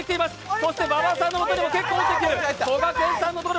そして馬場さんのもとにも結構落ちている。